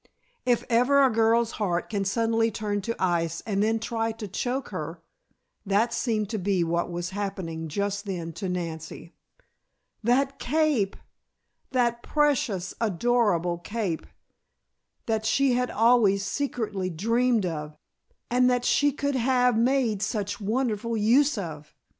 If ever a girl's heart can suddenly turn to ice and then try to choke her, that seemed to be what was happening just then to Nancy. That cape! That precious, adorable cape, that she had always secretly dreamed of and that she could have made such wonderful use of!